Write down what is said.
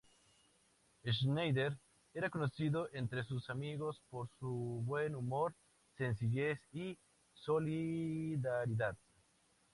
Schneider era conocido entre sus amigos por su buen humor, sencillez y solidaridad.